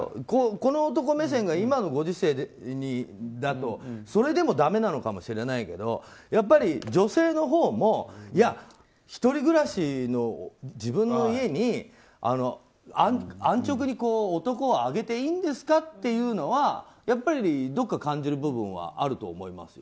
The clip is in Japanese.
この男目線が今のご時世だとそれでもだめなのかもしれないけどやっぱり、女性のほうも１人暮らしの自分の家に安直に男をあげていいんですかっていうのはやっぱりどこか感じる部分はあると思いますよ。